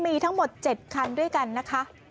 มีทั้งหมด๗คันด้วยกันนะคะ